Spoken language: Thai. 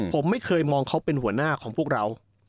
ผมไม่เคยมองเขาเป็นหัวหน้าของพวกเรา